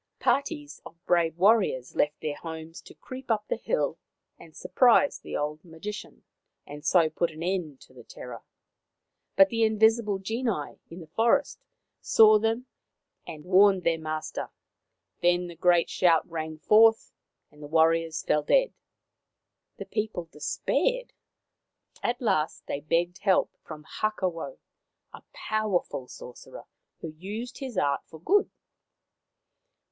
Parties of brave warriors left their homes to creep up the hill and surprise the old magician, and so put an end to the terror. But the invisible genii in the forest saw them and warned their 147 148 Maoriland Fairy Tales master. Then the great shout rang forth, and the warriors fell dead. The people despaired. At last they begged help from Hakawau, a powerful sorcerer who used his art for good.